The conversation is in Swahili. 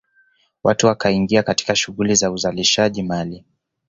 Watu wakaingia katika shughuli za uzalishaji mali